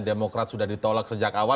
demokrat sudah ditolak sejak awal